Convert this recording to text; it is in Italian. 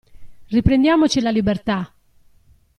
Riprendiamoci la libertà!